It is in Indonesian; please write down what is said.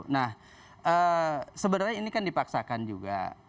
nah sebenarnya ini kan dipaksakan juga